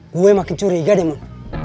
gue makin curiga deh nok